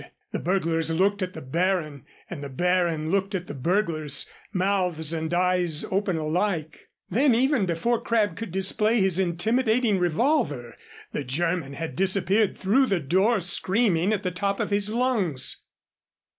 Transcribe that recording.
The burglars looked at the Baron and the Baron looked at the burglars, mouths and eyes open alike. Then, even before Crabb could display his intimidating revolver, the German had disappeared through the door screaming at the top of his lungs.